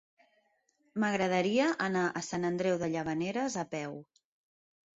M'agradaria anar a Sant Andreu de Llavaneres a peu.